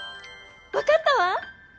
わかったわ！